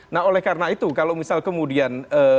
nah oleh karena itu kalau misal kemudian